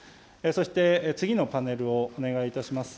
そして次のパネルをお願いいたします。